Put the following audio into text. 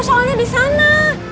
karena di sana